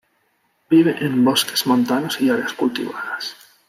Vive en bosques montanos y áreas cultivadas.